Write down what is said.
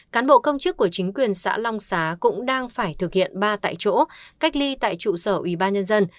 cán bộ công chức của chính quyền xã long xá cũng đang phải thực hiện ba tại chỗ cách ly tại trụ sở ủy ban nhân dân